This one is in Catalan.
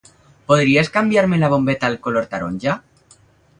Podries canviar-me la bombeta al color taronja?